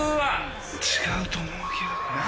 違うと思うけどな。